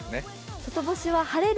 外干しは、晴れる